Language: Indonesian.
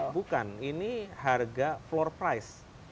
bukan ini harga floor price